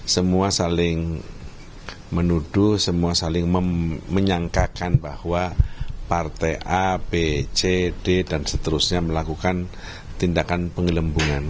semua saling menuduh semua saling menyangkakan bahwa partai a b c d dan seterusnya melakukan tindakan penggelembungan